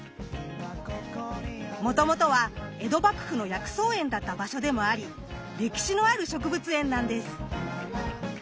もともとは江戸幕府の薬草園だった場所でもあり歴史のある植物園なんです。